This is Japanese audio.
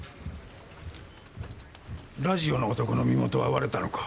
ラジオの男の身元は割れたのか？